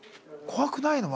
怖くないの？